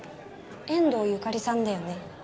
遠藤由香里さんだよね？